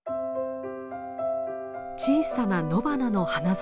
小さな野花の花園です。